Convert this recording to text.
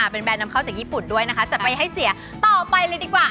เป็นแบรนดนำเข้าจากญี่ปุ่นด้วยนะคะจะไปให้เสียต่อไปเลยดีกว่า